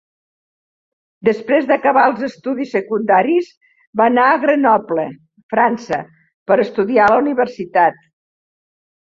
Després d'acabar els estudis secundaris va anar a Grenoble, França, per estudiar a la universitat.